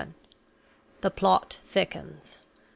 VII. THE PLOT THICKENS.